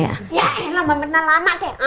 ya eh mbak mirna lama teh